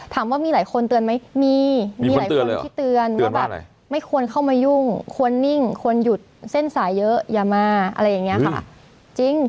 ถามว่ามีหลายคนเตือนไหมมีมีหลายคนที่เตือนว่าแบบไม่ควรเข้ามายุ่งควรนิ่งควรหยุดเส้นสายเยอะอย่ามาอะไรอย่างนี้ค่ะจริง